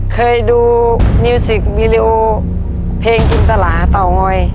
เคยดูมิวสิกวีดีโอเพลงจินตลาเต่างอย